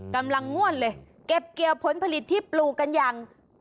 กำลังง่วนเลยเก็บเกี่ยวผลผลิตที่ปลูกกันอย่าง